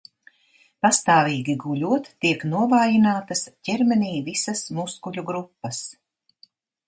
Pastāvīgi guļot tiek novājinātas ķermenī visas muskuļu grupas.